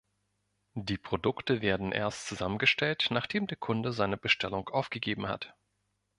Die Produkte werden erst zusammengestellt, nachdem der Kunde seine Bestellung aufgegeben hat.